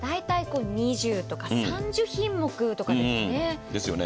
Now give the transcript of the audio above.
２０とか３０品目とかですね。